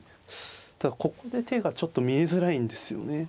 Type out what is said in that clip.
ただここで手がちょっと見えづらいんですよね。